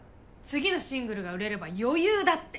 次のシングルが売れれば余裕だって。